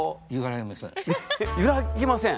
ゆらぎません？